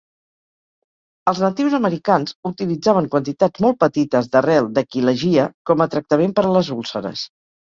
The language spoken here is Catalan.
Els natius americans utilitzaven quantitats molt petites d'arrel d'"aquilegia" com a tractament per a les úlceres.